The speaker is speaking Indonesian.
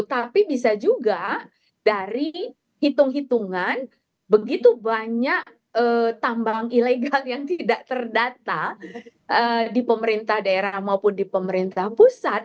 tapi bisa juga dari hitung hitungan begitu banyak tambang ilegal yang tidak terdata di pemerintah daerah maupun di pemerintah pusat